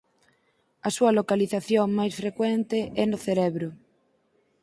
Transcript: A súa localización máis frecuente é no cerebro.